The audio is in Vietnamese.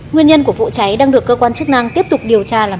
nguyên nhân của vụ cháy đang được cơ quan chức năng tiếp tục điều tra làm rõ